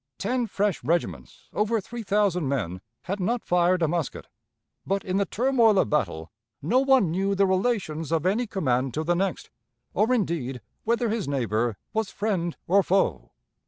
Ten fresh regiments, over three thousand men, had not fired a musket. But in the turmoil of battle no one knew the relations of any command to the next, or indeed whether his neighbor was friend or foe.